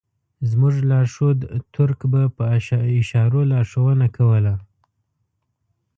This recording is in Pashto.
زموږ لارښود تُرک به په اشارو لارښوونه کوله.